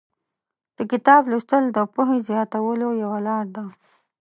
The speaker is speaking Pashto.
د کتاب لوستل د پوهې زیاتولو یوه لاره ده.